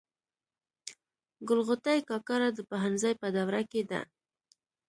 ګل غوټۍ کاکړه د پوهنځي په دوره کي ده.